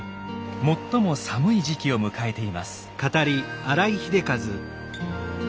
最も寒い時期を迎えています。